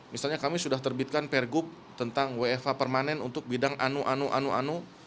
misalnya kami sudah terbitkan pergub tentang wfh permanen untuk bidang anu anu anu anu